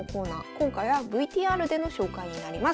今回はＶＴＲでの紹介になります。